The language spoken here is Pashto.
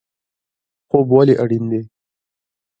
خوب ولې اړین دی؟